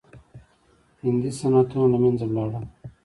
هندي صنعتونه له منځه لاړل.